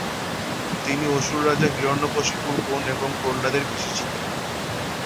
তিনি অসুর রাজা হিরণ্যকশিপু এর বোন, এবং প্রহ্লাদ এর পিসি ছিলেন।